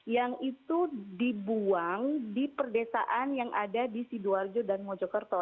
yang itu dibuang di perdesaan yang ada di sidoarjo dan mojokerto